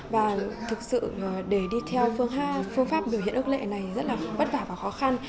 và thực sự để đi theo phương pháp biểu hiện ước lệ này rất là vất vả và khó khăn